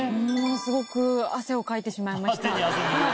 すごく汗をかいてしまいました。